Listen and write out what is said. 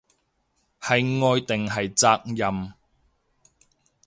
係愛定係責任